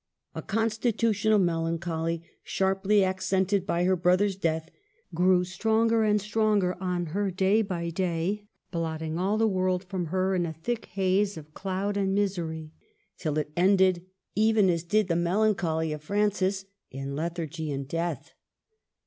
A constitutional melancholy, sharply ac cented by her brother's death, grew stronger and stronger on her day by day, blotting all the world from her in a thick haze of cloud and 308 MARGARET OF ANGOULEME. misery, till it ended, even as did the melancholy of Francis, in lethargy and death.